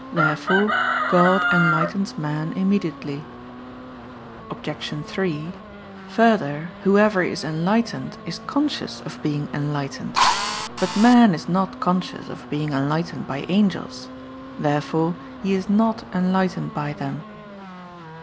Therefore God enlightens man immediately. Obj. 3: Further, whoever is enlightened is conscious of being enlightened. But man is not conscious of being enlightened by angels. Therefore he is not enlightened by them.